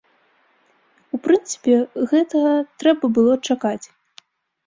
У прынцыпе, гэтага трэба было чакаць.